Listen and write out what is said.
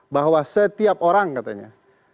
bahwa setiap orang katanya